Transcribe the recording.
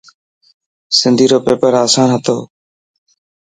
سنڌي رو پيپر اسان هتو.